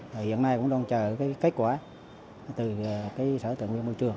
hiện nay cũng đang chờ cái kết quả từ cái sở tự nguyên môi trường